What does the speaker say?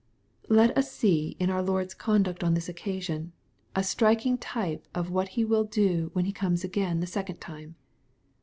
Let us see in our Lord's conduct on this occasion, a striking type of what He will do when He comes again the second time.